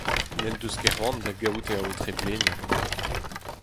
n’en deus ket c’hoant da gaout e aotre-bleniañ.